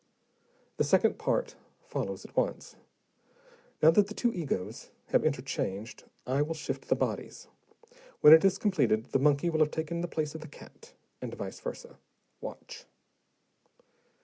"The second part follows at once. Now that the two egos have interchanged, I will shift the bodies. When it is completed, the monkey will have taken the place of the cat, and vice versa. Watch."